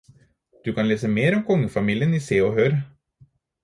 Du kan lese mer om kongefamilien i Se og Hør.